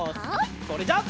それじゃあ。